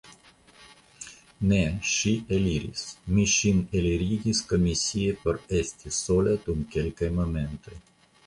Ne, ŝi eliris; mi ŝin elirigis komisie por esti sola dum kelkaj momentoj.